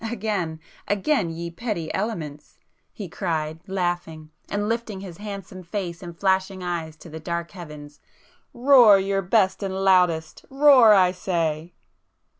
Again—again, ye petty elements!" he cried, laughing, and lifting his handsome face and flashing eyes to the dark heavens—"Roar your best and loudest!—roar, I say!"